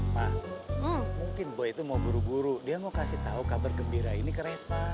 pak mungkin boy itu mau buru buru dia mau kasih tahu kabar gembira ini ke refa